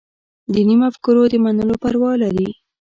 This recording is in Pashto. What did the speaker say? دیني مفکورو د منلو پروا لري.